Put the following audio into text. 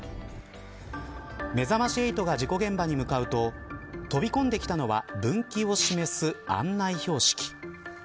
めざまし８が事故現場に向かうと飛び込んできたのは分岐を示す案内標識。